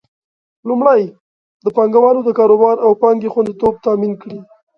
لومړی: د پانګوالو د کاروبار او پانګې خوندیتوب تامین کړي.